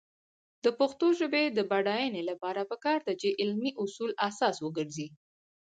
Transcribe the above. د پښتو ژبې د بډاینې لپاره پکار ده چې علمي اصول اساس وګرځي.